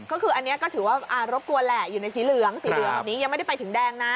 ก็คืออยู่ในสีเหลืองสีเหลืองตรงนี้ยังไม่ได้ไปถึงแดงนะ